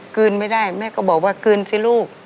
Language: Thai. คืนไม่ได้แม่ก็บอกว่าคืนสิลูก